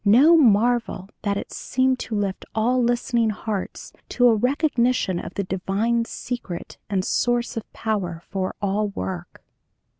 no marvel that it seemed to lift all listening hearts to a recognition of the divine secret and source of power for all work.